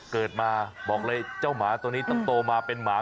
เกิดมาบอกเลยเจ้าหมาตัวนี้ต้องโตมาเป็นหมา